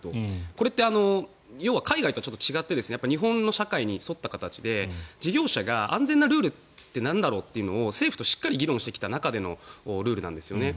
これって要は海外と違って日本の社会に沿った形で事業者が安全なルールってなんだろうというのを政府としっかり議論してきた中でのルールなんですね。